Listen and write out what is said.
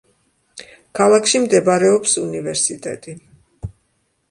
ქალაქში მდებარეობს უნივერსიტეტი.